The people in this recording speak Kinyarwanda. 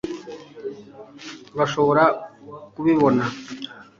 urashobora kubibona